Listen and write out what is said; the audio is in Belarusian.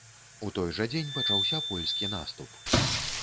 У той жа дзень пачаўся польскі наступ.